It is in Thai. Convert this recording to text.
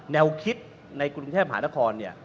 แนวคิดในกรุงเทพหานครเนี่ย